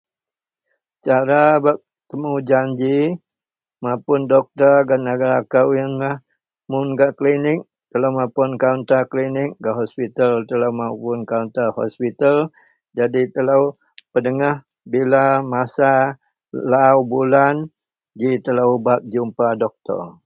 Cara bak temu janji mapun doktor gak negara kou iyenlah, Mun gak klinik telo mapun kaunta klinik gak hospital telo mapun kaunta hospital jadi telo pedengah bila masa lau bulan ji telo bak jumpa doktor.